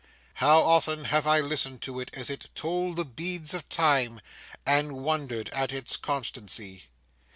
How often have I listened to it as it told the beads of time, and wondered at its constancy!